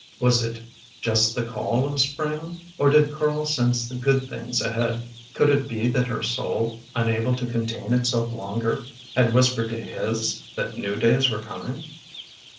Was it just the call of spring, or did Karl sense the good things ahead? Could it be that her soul, unable to contain itself longer, had whispered to his that new days were coming?